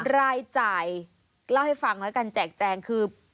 รายจ่ายเล่าให้ฟังแล้วกันแจกแจงคือ